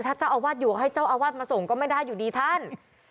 ถ้าเจ้าอาวาสอยู่ให้เจ้าอาวาสมาส่งก็ไม่ได้อยู่ดีท่าน